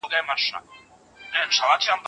هلک د انا پښې په خپلو وړو لاسونو نیولې وې.